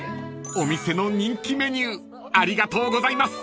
［お店の人気メニューありがとうございます］